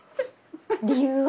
理由は？